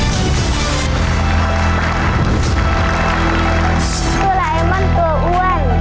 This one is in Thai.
ตัวไลมอนตัวอ้วน